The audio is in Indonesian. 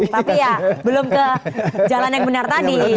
tapi ya belum ke jalan yang benar tadi